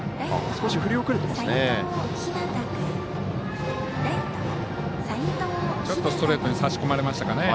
少し振り遅れてますね。